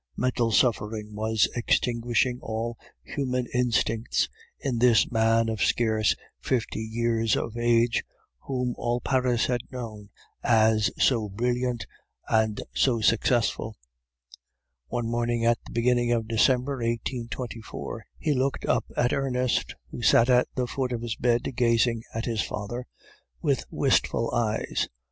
Mental suffering was extinguishing all human instincts in this man of scarce fifty years of age, whom all Paris had known as so brilliant and so successful. "One morning at the beginning of December 1824, he looked up at Ernest, who sat at the foot of his bed gazing at his father with wistful eyes.